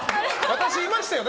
私、いましたよね？